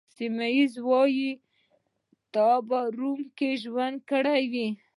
سیمونز وویل: تا په روم کي ژوند کړی؟